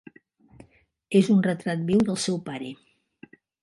És un retrat viu del seu pare.